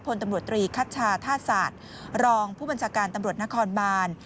พลตำรดยีคัชชาทาศาสตร์รองผู้บัญชาการตำรดนครบ่าน